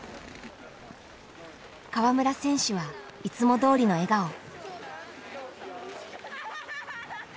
川村選手はいつもどおりの笑顔。